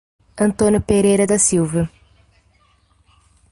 Antônio Pereira da Silva